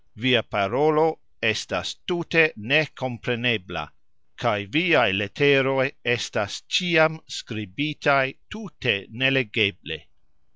Via parolo estas tute nekomprenebla, kaj viaj leteroj estas cxiam skribitaj tute nelegeble.